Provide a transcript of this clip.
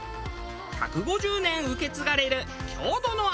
１５０年受け継がれる郷土の味。